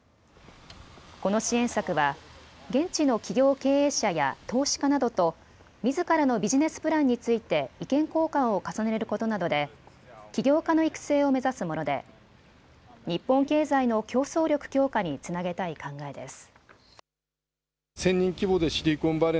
この支援策は現地の企業経営者や投資家などとみずからのビジネスプランについて意見交換を重ねることなどで起業家の育成を目指すもので日本経済の競争力強化につなげたい考えです。